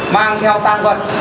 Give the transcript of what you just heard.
mang theo tang luật